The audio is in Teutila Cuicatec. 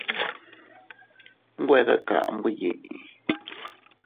Güe debnekamu yee.